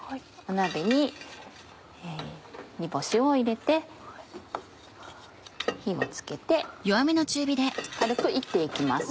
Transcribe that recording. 鍋に煮干しを入れて火を付けて軽く炒って行きます。